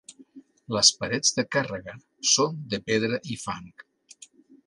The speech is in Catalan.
Les parets de càrrega són de pedra i fang.